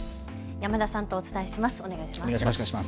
山田さんとお伝えします。